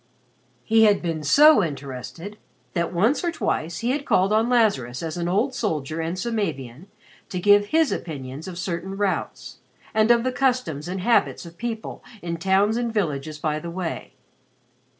He had been so interested that once or twice he had called on Lazarus as an old soldier and Samavian to give his opinions of certain routes and of the customs and habits of people in towns and villages by the way.